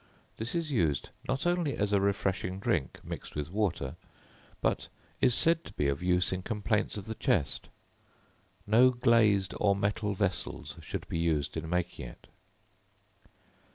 This is used not only as a refreshing drink, mixed with water, but is said to be of use in complaints of the chest. No glazed or metal vessels should be used in making it.